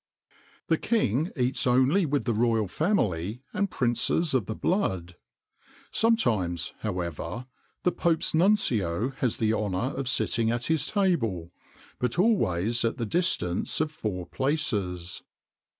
_ The king eats only with the royal family and princes of the blood. Sometimes, however, the Pope's nuncio has the honour of sitting at his table, but always at the distance of four places.